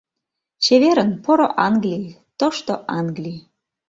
— Чеверын, поро Англий, тошто Англий!